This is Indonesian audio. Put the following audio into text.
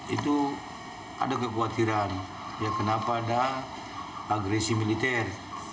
itu ada kekhawatiran ya kenapa ada agresi militer